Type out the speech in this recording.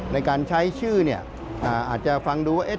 ในการใช้ชื่อเนี่ยอาจจะฟังดูว่า